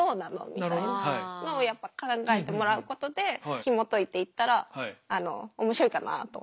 みたいなのをやっぱ考えてもらうことでひもといていったらあの面白いかなと。